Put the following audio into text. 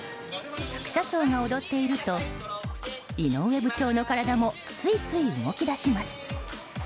副社長が踊っていると井上部長の体もついつい動き出します。